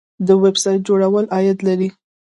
د ویب سایټ جوړول عاید لري